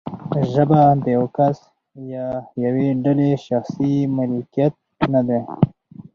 ژبه د یو کس یا یوې ډلې شخصي ملکیت نه دی.